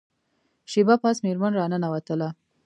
شیبه پس میرمن را ننوتله.